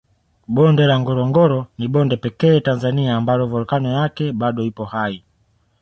Bonde la Ngorongoro ni bonde pekee Tanzania ambalo volkano yake bado ipo hai